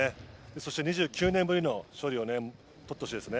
そして２９年ぶりの勝利を取ってほしいですよね。